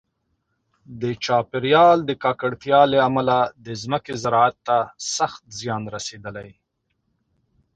د چاپیریال د ککړتیا له امله د ځمکې زراعت ته سخت زیان رسېدلی.